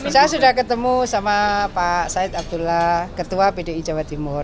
saya sudah ketemu sama pak said abdullah ketua pdi jawa timur